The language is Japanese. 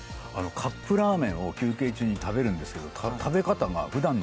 カップラーメンを休憩中に食べるんですけど食べ方が。へえ！